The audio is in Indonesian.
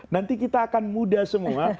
nanti kita akan muda semua